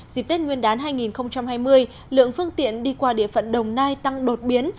dịp tết nguyên đán hai nghìn hai mươi lượng phương tiện đi qua địa phận đồng nai tăng đột biến